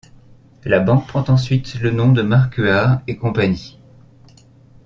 La banque prend ensuite le nom de Marcuard et Cie.